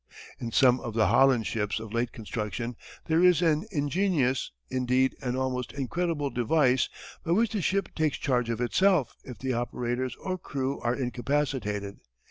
In some of the Holland ships of late construction there is an ingenious, indeed an almost incredible device by which the ship takes charge of herself if the operators or crew are incapacitated.